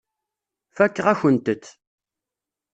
Fakeɣ-akent-t.